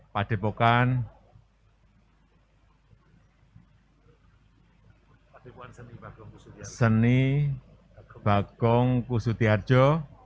padepokan seni bagong pusudiarja